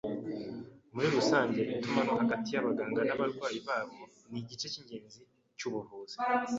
Muri rusange, itumanaho hagati yabaganga n’abarwayi babo nigice cyingenzi cyubuvuzi